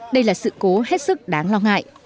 đây là sự cố hết sức đáng lo ngại